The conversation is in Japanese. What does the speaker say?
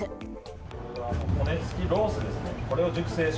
これは骨付きロースですね。